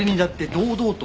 堂々と。